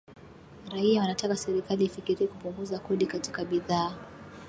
raia wanataka serikali ifikirie kupunguza kodi katika bidhaa